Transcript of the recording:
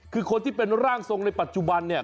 คือคนที่เป็นร่างทรงในปัจจุบันเนี่ย